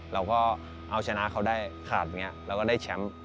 เราก็เอาชนะเขาได้ขาดอย่างนี้แล้วก็ได้แชมป์